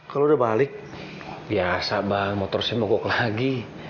kalau udah balik biasa bang motor simuk lagi